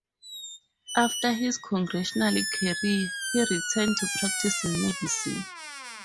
After his congressional career, he returned to practicing medicine.